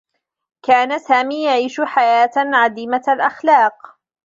كان سامي يعيش حياة عديمة الأخلاق.